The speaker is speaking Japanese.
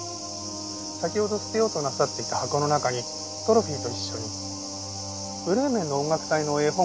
先ほど捨てようとなさっていた箱の中にトロフィーと一緒に『ブレーメンの音楽隊』の絵本が入っていましたね。